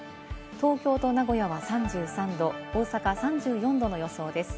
東京と名古屋は３３度、大阪３４度の予想です。